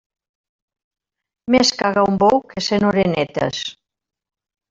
Més caga un bou que cent oronetes.